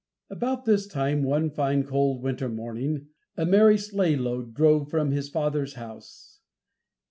About this time, one fine cold winter morning, a merry sleigh load drove from his father's house.